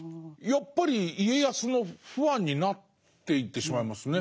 やっぱり家康のファンになっていってしまいますね。